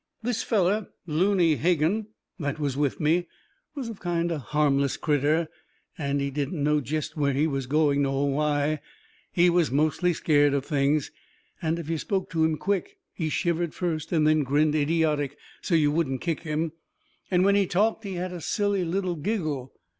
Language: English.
This feller Looney Hogan that was with me was a kind of a harmless critter, and he didn't know jest where he was going, nor why. He was mostly scared of things, and if you spoke to him quick he shivered first and then grinned idiotic so you wouldn't kick him, and when he talked he had a silly little giggle.